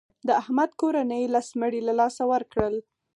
د احمد کورنۍ لس مړي له لاسه ورکړل.